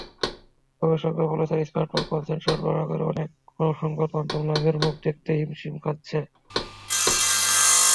গবেষকেরা বলছেন, স্মার্টফোনে কনটেন্ট সরবরাহ করে অনেক সংবাদমাধ্যমই লাভের মুখ দেখতে হিমশিম খাচ্ছে।